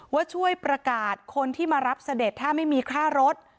ว่าช่วยประกาศคนที่มารับเสด็จถ้าไม่มีค่ารถ